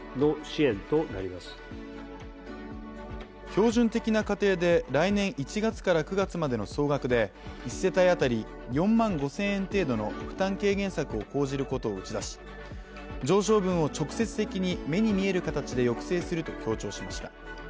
標準的な家庭で来年１月から９月までの総額で、１世帯当たり４万５０００円程度の負担軽減策を講じることを打ち出し上昇分を直接的に目に見える形で抑制すると強調しました。